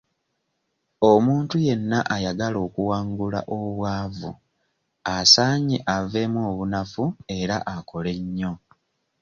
Omuntu yenna ayagala okuwangula obwavu asaanye aveemu obunafu era akole nnyo.